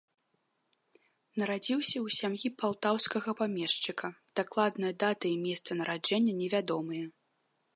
Нарадзіўся ў сям'і палтаўскага памешчыка, дакладная дата і месца нараджэння невядомыя.